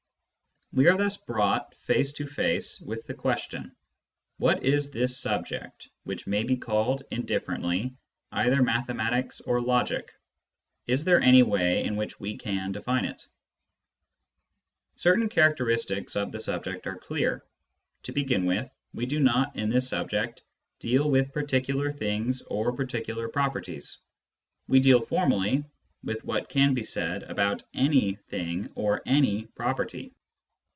We are thus brought face to face with the question : What is this subject, which may be called indifferently either mathe matics or logic ? Is there any way in which we can define it ? Certain characteristics of the subject are clear. To begin with, we do not, in this subject, deal with particular things or particular properties : we deal formally with what can be said ■■about any thing or any property.